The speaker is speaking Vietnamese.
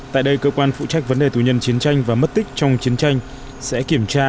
tại đây cơ quan phụ trách vấn đề tù nhân chiến tranh và mất tích trong chiến tranh sẽ kiểm tra